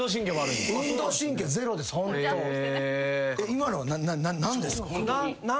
今のは何ですか？